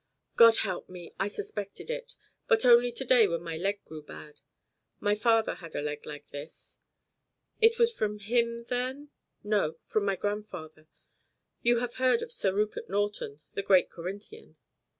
"God help me, I suspected it; but only today when my leg grew bad. My father had a leg like this." "It was from him, then ?" "No, from my grandfather. You have heard of Sir Rupert Norton, the great Corinthian?"